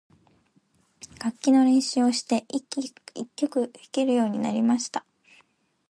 楽器の練習をして、一曲弾けるようになりました。